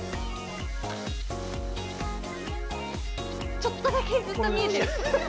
ちょっとだけずっと見えてる。